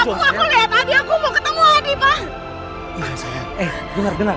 jangan pregunt dois